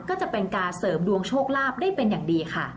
ก็จะเป็นการเสริมดวงโชคลาภได้เป็นอย่างดีค่ะ